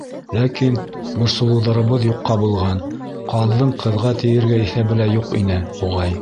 Ләкин борсолоуҙарыбыҙ юҡҡа булған, ҡаҙҙың ҡыҙға тейергә иҫәбе лә юҡ ине, буғай.